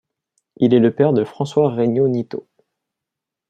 Il est le père de François-Régnault Nitot.